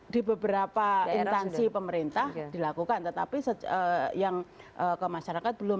di beberapa intansi pemerintah dilakukan tetapi yang ke masyarakat belum